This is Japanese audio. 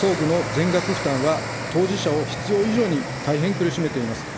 補装具の全額負担は、当事者を必要以上に大変苦しめています。